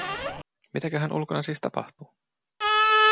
Mitäköhän ulkona siis tapahtuu.